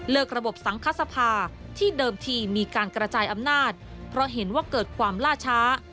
ระบบสังคสภาที่เดิมทีมีการกระจายอำนาจเพราะเห็นว่าเกิดความล่าช้า